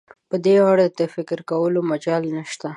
په دې اړه د فکر کولو مجال نشته.